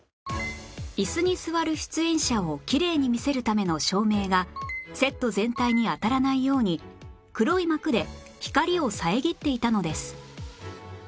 椅子に座る出演者をきれいに見せるための照明がセット全体に当たらないように黒い幕で光を遮っていたのです